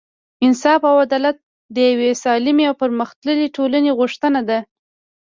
انصاف او عدالت د یوې سالمې او پرمختللې ټولنې غوښتنه ده.